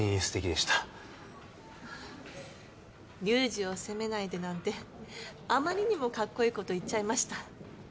竜二を責めないでなんてあまりにもかっこいいこと言っちゃいました。